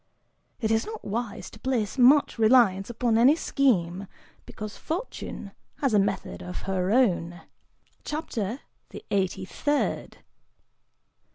It is not wise to place much reliance upon any scheme, because Fortune has a method of her own. CHAPTER THE EIGHTY THIRD.